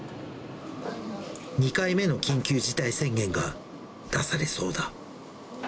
２回目の緊急事態宣言が出されそうだ。